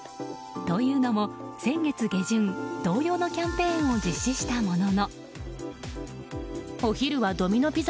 というのも、先月下旬同様のキャンペーンを実施したものの。